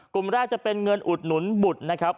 กลุ่มแรกจะเป็นเงินอุดหนุนบุตรนะครับ